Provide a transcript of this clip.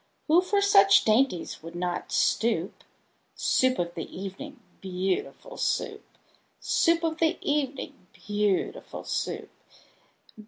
Who for such dainties would not stoop? Soup of the evening, beautiful Soup! Soup of the evening, beautiful Soup!